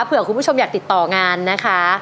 เผื่อคุณผู้ชมอยากติดต่องานนะคะ